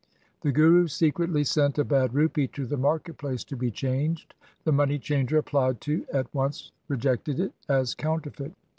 The Guru secretly sent a bad rupee to the market place to be changed. The money changer applied to at once rejected it as counterfeit.